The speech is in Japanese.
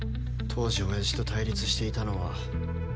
当時親父と対立していたのは。